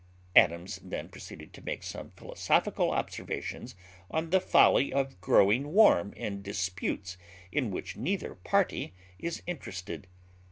Adams then proceeded to make some philosophical observations on the folly of growing warm in disputes in which neither party is interested.